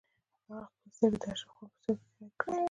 هغې خپلې سترګې د اشرف خان په سترګو کې ښخې کړې.